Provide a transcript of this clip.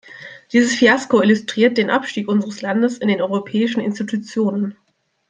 Dieses Fiasko illustriert den Abstieg unseres Landes in den europäischen Institutionen.